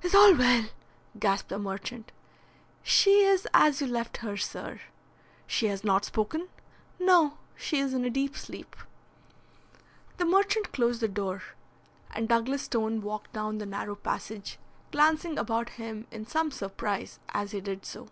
"Is all well?" gasped the merchant. "She is as you left her, sir." "She has not spoken?" "No; she is in a deep sleep." The merchant closed the door, and Douglas Stone walked down the narrow passage, glancing about him in some surprise as he did so.